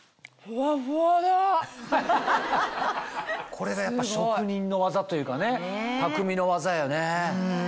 これがやっぱ職人の技というか匠の技よね。